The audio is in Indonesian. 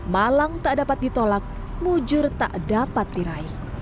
malang tak dapat ditolak mujur tak dapat diraih